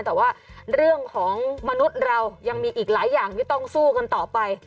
แต่ว่าเรื่องของมนุษย์เรายังมีอีกหลายอย่างที่ต้องสู้กันต่อไป